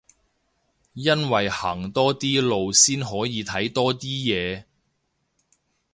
因為行多啲路先可以睇多啲嘢